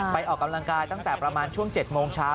ออกกำลังกายตั้งแต่ประมาณช่วง๗โมงเช้า